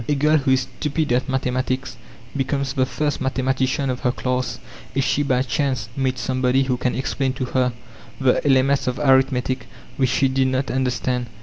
A girl who is stupid at mathematics becomes the first mathematician of her class if she by chance meets somebody who can explain to her the elements of arithmetic which she did not understand.